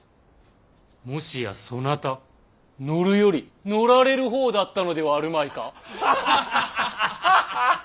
もしやそなた乗るより乗られる方だったのではあるまいか？